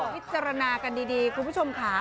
พิจารณากันดีคุณผู้ชมค่ะ